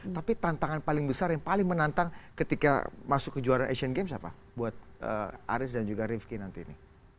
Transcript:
tapi tantangan paling besar yang paling menantang ketika masuk ke juara asian games apa buat aris dan juga rivki nanti ini